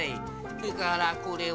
それからこれは？